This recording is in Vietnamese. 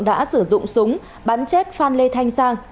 đã sử dụng súng bắn chết phan lê thanh sang